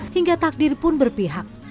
hingga takdir pun berpihak